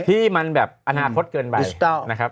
ที่มันแบบอาณาคตเกินไป